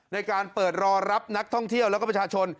ในการเปิดรอรับนักท่องเที่ยวแล้วก็ประชาชน